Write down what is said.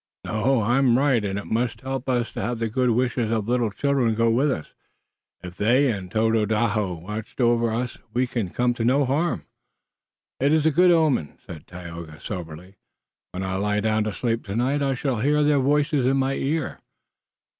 "No, I'm right and it must help us to have the good wishes of little children go with us. If they and Tododaho watch over us we can't come to much harm." "It is a good omen," said Tayoga soberly. "When I lie down to sleep tonight I shall hear their voices in my ear."